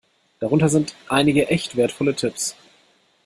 Darunter sind einige echt wertvolle Tipps.